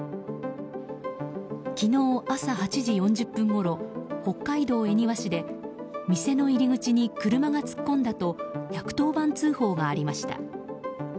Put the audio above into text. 昨日朝８時４０分ごろ北海道恵庭市で店の入り口に車が突っ込んだと１１０番通報がありました。